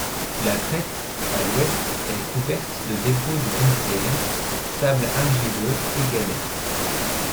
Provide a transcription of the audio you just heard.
La crête à l'ouest est couverte de dépôts du Tertiaire, sables argileux et galets.